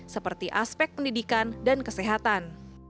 seperti aspek pendidikan dan kesehatan